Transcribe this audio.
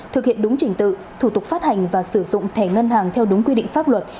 thực hiện đúng trình tự thủ tục phát hành và sử dụng thẻ ngân hàng theo đúng quy định pháp luật